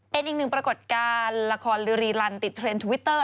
เป็นอีกหนึ่งปรากฏการณ์ละครลือรีลันติดเทรนด์ทวิตเตอร์